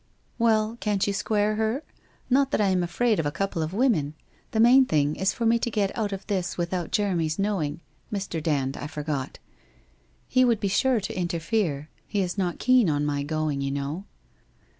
' Well, can't you square her ? Not that I am afraid of a couple of women. The main thing is for me to get out of this without Jeremy's knowing — Mr. Dand, I forgot. He would be sure to interfere. He is not keen on my going, you know